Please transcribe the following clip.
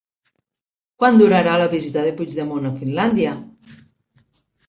Quant durarà la visita de Puigdemont a Finlàndia?